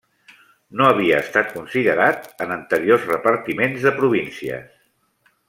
No havia estat considerat en anteriors repartiments de províncies.